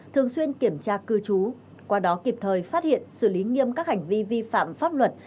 thường xuyên kiểm tra cư trú qua đó kịp thời phát hiện xử lý nghiêm các hành vi vi phạm pháp luật